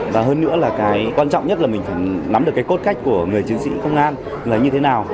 và hơn nữa là cái quan trọng nhất là mình phải nắm được cái cốt cách của người chiến sĩ công an là như thế nào